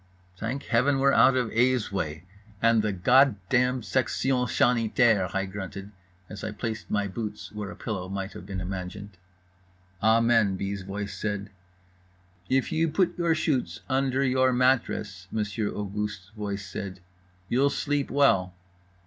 "Thank Heaven, we're out of A.'s way and the —— Section Sanitaire," I grunted as I placed my boots where a pillow might have been imagined. "Amen" B.'s voice said. "If you put your shoes un der your mat tress" Monsieur Auguste's voice said, "you'll sleep well."